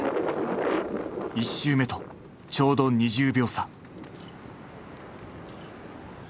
１周目とちょうど２０秒差。